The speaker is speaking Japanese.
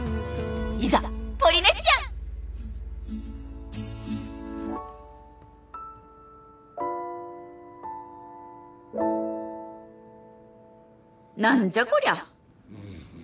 いざポリネシアン何じゃこりゃ！